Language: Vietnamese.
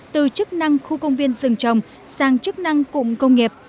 từ chức năng khu công viên rừng trồng sang chức năng cụm công nghiệp